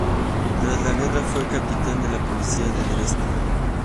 Tras la guerra fue capitán de la Policía de Dresde.